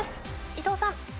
伊藤さん。